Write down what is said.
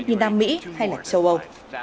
như nam mỹ hay là châu âu